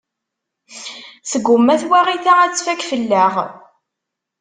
Tgumma twaɣit-a ad tfak fell-aɣ.